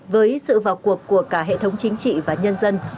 với sự vào cuộc của cả hệ thống chính trị và nhân dân